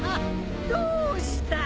どうした？